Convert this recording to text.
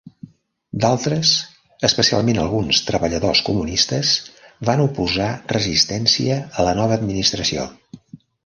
D'altres, especialment alguns treballadors comunistes, van oposar resistència a la nova administració.